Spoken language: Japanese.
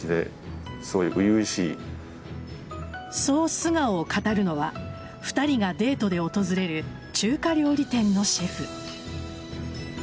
そう素顔を語るのは２人がデートで訪れる中華料理店のシェフ。